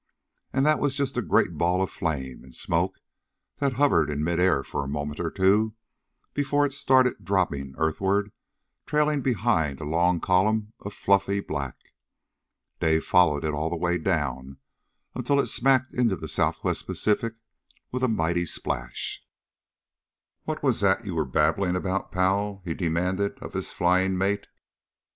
And that was just a great ball of flame and smoke that hovered in midair for a moment or two before it started dropping earthward trailing behind a long column of fluffy black. Dave followed it all the way down until it smacked into the Southwest Pacific with a mighty splash. "What was that you were babbling about, pal?" he then demanded of his flying mate.